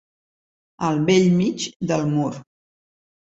Al bell mig del mur.